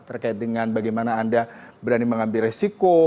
terkait dengan bagaimana anda berani mengambil resiko